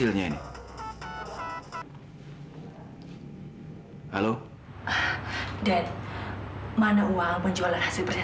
mas kamu itu jangan kecapean